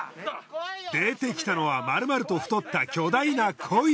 出てきたのは丸々と太った巨大なコイ。